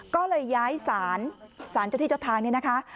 ก็เลยย้ายศาลเจ้าทางนี้นะคะ